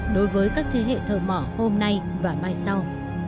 đối với các thế hệ thợ mỏ hôm nay và mai sau